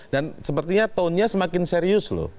dan sepertinya tone nya semakin serius loh